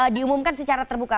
diumumkan secara terbuka